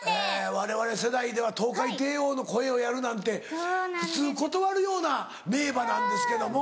われわれ世代ではトウカイテイオーの声をやるなんて普通断るような名馬なんですけども。